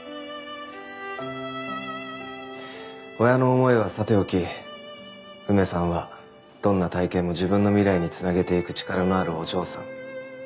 親の思いはさておき梅さんはどんな体験も自分の未来に繋げていく力のあるお嬢さん。